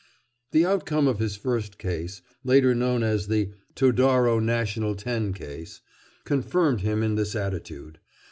The outcome of his first case, later known as the "Todaro National Ten Case," confirmed him in this attitude.